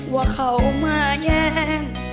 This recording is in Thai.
ว่าเขามาแย่ง